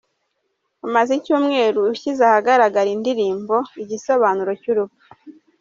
Umaze icyumweru ushyize ahagaragara indirimbo “Igisobanuro cy’urupfu”.